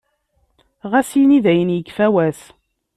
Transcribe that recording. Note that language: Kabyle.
Ɣas ini dayen yekfa wass.